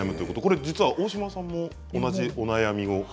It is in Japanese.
大島さんも同じお悩みを。